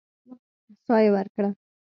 سا يې ورکړه.